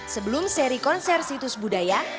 sebelum seri konser situs budaya